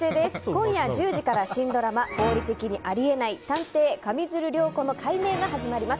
今夜１０時から新ドラマ「合理的にあり得ない探偵・上水流涼子の解明」が始まります。